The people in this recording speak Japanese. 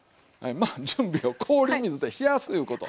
まあ準備を氷水で冷やすいうこと。